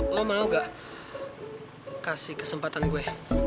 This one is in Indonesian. lo mau ga kasih kesempatan gue